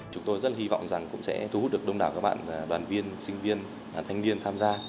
chúng tôi rất hy vọng rằng cũng sẽ thu hút được đông đảo các bạn đoàn viên sinh viên thanh niên tham gia